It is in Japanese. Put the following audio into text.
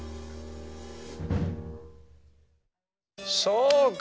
そうか！